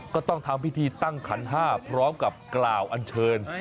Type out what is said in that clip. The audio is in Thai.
ก็ต้องทำพิธีตั้งขันห้าพร้อมกับกล่าวอันเชิญ